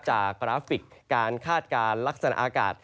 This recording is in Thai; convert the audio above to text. กราฟิกการคาดการณ์ลักษณะอากาศ